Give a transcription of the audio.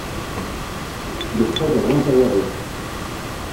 Lefḥul ṛwan tawaɣit.